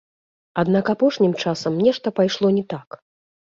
Аднак апошнім часам нешта пайшло не так.